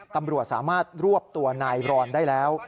ตำรวจสามารถรวบตัวนายบรอนได้แล้ว